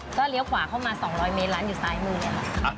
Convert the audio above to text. ก็เลี้ยวขวาเข้ามา๒๐๐เมตรร้านอยู่ซ้ายมือเลยค่ะ